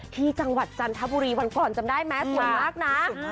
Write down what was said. จังหวัดจันทบุรีวันก่อนจำได้ไหมสวยมากนะ